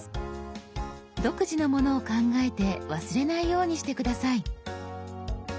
独自のものを考えて忘れないようにして下さい。